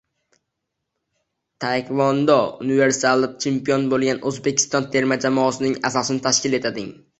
Taekvondo: “Universal”da chempion bo‘lganlar O‘zbekiston terma jamoasining asosini tashkil etading